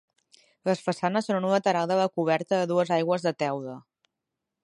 Les façanes són en un lateral de la coberta a dues aigües de teula.